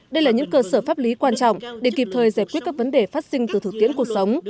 đây là những cơ sở pháp lý quan trọng để kịp thời giải quyết các vấn đề phát sinh từ thực tiễn cuộc sống